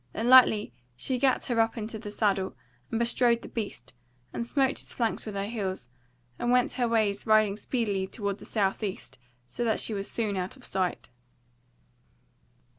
Then lightly she gat her up into the saddle, and bestrode the beast, and smote his flanks with her heels, and went her ways riding speedily toward the south east, so that she was soon out of sight.